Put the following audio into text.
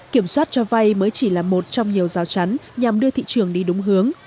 kiểm soát cho vay mới chỉ là một trong nhiều rào chắn nhằm đưa thị trường đi đúng hướng